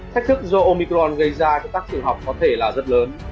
thách thức do omicron gây ra cho các trường học có thể là rất lớn